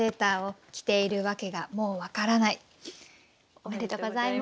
おめでとうございます。